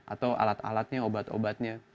atau alat alatnya obat obatnya